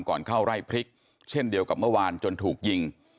ก่อนเข้าไร่พริกเช่นเดียวกับเมื่อวานจนถูกยิง